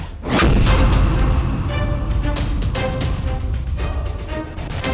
apa yang kita akan melakukan altijd ber